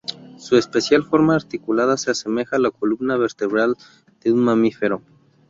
Su especial forma articulada se asemeja a la columna vertebral de un mamífero.